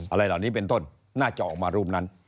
อะไรเหล่านี้เป็นต้นน่าจะออกมารูปนั้น